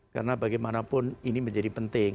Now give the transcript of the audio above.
karena bagaimanapun ini menjadi penting